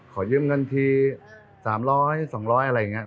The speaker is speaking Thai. ขอยืมเงินที๓๐๐๒๐๐อะไรอย่างนี้